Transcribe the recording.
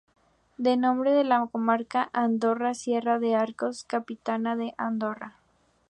Da nombre a la comarca de Andorra-Sierra de Arcos, con capitalidad en Andorra.